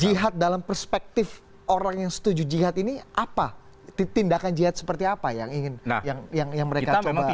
jihad dalam perspektif orang yang setuju jihad ini apa tindakan jihad seperti apa yang ingin yang mereka coba